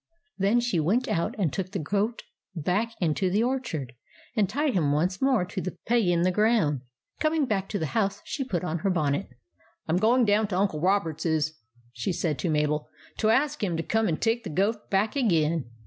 Then she went out and took the goat back into the orchard, and tied him once more to the peg in the ground. Coming back to the house she put on her bonnet. ■" I 'm going down to Uncle Robert's," she said to Mabel, " to ask him to come and take the goat back again.